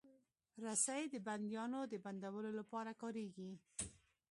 رسۍ د بندیانو د بندولو لپاره کارېږي.